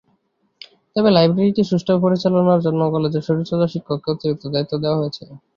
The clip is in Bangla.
তবে লাইব্রেরিটি সুষ্ঠুভাবে পরিচালনার জন্য কলেজের শরীরচর্চা শিক্ষককে অতিরিক্ত দায়িত্ব দেওয়া হয়েছে।